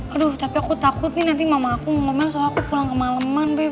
aduh tapi aku takut nih nanti mama aku mau ngomong soal aku pulang ke maleman